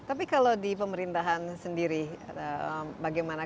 tapi kalau di pemerintahan sendiri bagaimana